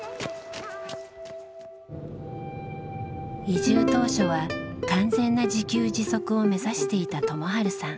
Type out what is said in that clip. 移住当初は完全な自給自足を目指していた友治さん。